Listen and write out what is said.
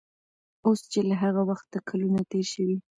اوس چې له هغه وخته کلونه تېر شوي